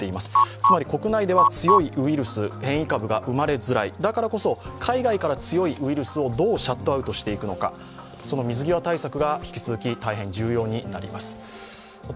つまり国内では強いウイルス、変異株が生まれにくい、だからこそ海外から強いウイルスをどうシャットアウトしていくのか、その水際対策が引き続き大変重要になります。